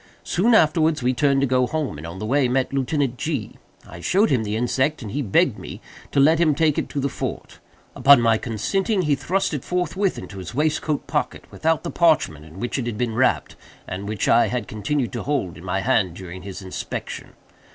Soon afterwards we turned to go home, and on the way met Lieutenant G——. I showed him the insect, and he begged me to let him take it to the fort. Upon my consenting, he thrust it forthwith into his waistcoat pocket, without the parchment in which it had been wrapped, and which I had continued to hold in my hand during his inspection.